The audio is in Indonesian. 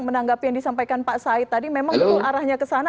menanggapi yang disampaikan pak said tadi memang arahnya kesana